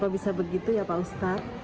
bisa begitu ya pak ustadz